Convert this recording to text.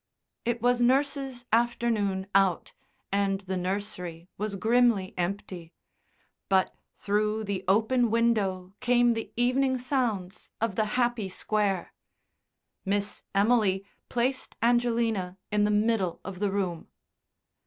It was nurse's afternoon out, and the nursery was grimly empty; but through the open, window came the evening sounds of the happy Square. Miss Emily placed Angelina in the middle of the room.